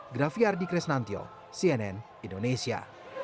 grafiardi kresnantyo cnn indonesia